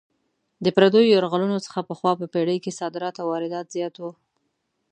د پردیو یرغلونو څخه پخوا په پېړۍ کې صادرات او واردات زیات وو.